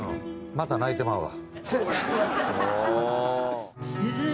また泣いてまうわ。